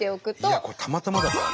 いやこれたまたまだからな。